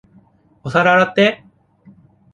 お皿洗って。